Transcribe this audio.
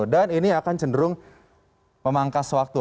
dan ini akan cenderung memangkas waktu